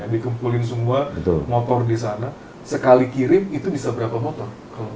dikumpulin semua motor di sana sekali kirim itu bisa berapa motor